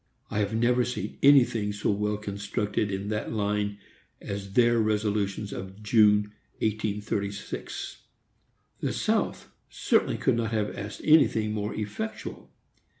I have never seen anything so well constructed in that line as their resolutions of June, 1836. The South certainly could not have asked anything more effectual.